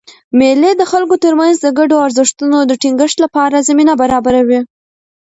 مېلې د خلکو ترمنځ د ګډو ارزښتونو د ټینګښت له پاره زمینه برابروي.